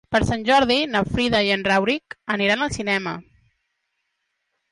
Per Sant Jordi na Frida i en Rauric aniran al cinema.